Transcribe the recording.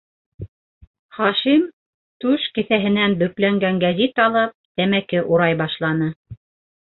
- Хашим түш кеҫәһенән бөкләнгән гәзит алып, тәмәке урай башланы.